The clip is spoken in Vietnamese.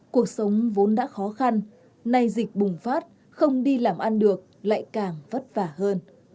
cuộc sống vốn đã khó khăn nay dịch bùng phát không đi làm ăn được lại càng vất vả hơn